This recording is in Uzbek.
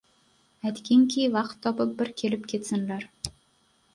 Aytginki, vaqt topib, bir kelib ketsinlar.